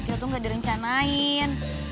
kita tuh gak direncanain